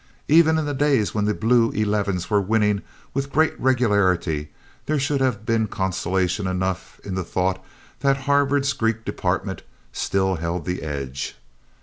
Even in the days when the blue elevens were winning with great regularity there should have been consolation enough in the thought that Harvard's Greek department still held the edge.